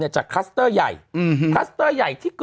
จากคลัสเตอร์ใหญ่